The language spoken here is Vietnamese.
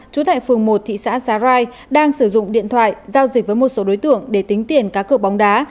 trú tại phường một thị xã sarai đang sử dụng điện thoại giao dịch với một số đối tượng để tính tiền cá cực bóng đá